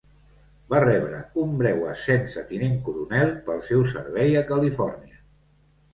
Va rebre un breu ascens a tinent coronel pel seu servei a Califòrnia.